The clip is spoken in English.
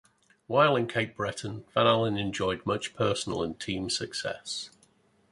While in Cape Breton, Van Allen enjoyed much personal and team success.